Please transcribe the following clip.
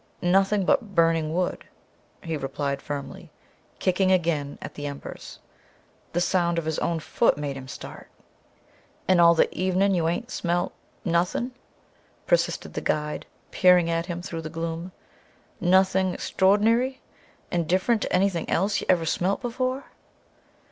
"Nothing but burning wood," he replied firmly, kicking again at the embers. The sound of his own foot made him start. "And all the evenin' you ain't smelt nothing?" persisted the guide, peering at him through the gloom; "nothing extrordiny, and different to anything else you ever smelt before?"